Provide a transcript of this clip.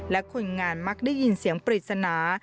และคนงานมักได้ยินเสียงปริศนา